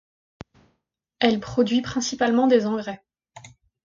Elle produit principalement des engrais.